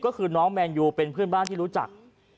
ก็คือน้องแมนยูเป็นเพื่อนบ้านที่รู้จัก